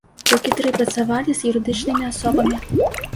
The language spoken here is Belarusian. Толькі тры працавалі з юрыдычнымі асобамі.